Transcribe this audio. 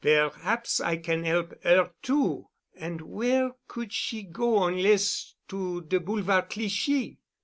Per'aps I can 'elp 'er too. An' where could she go onless to de Boulevard Clichy?"